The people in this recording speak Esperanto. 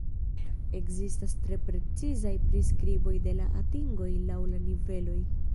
Ekzistas tre precizaj priskriboj de la atingoj laŭ la niveloj.